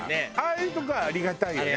ああいうとこはありがたいよね